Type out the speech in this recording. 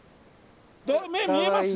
目見えます？